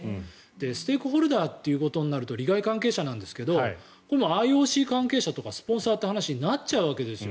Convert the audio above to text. ステークホルダーということになると利害関係者なんですけどＩＯＣ関係者とかスポンサーという話になっちゃうわけですよ。